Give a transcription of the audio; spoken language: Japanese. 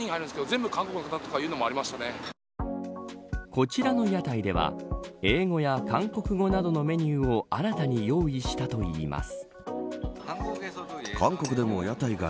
こちらの屋台では英語や韓国語などのメニューを新たに用意したといいます。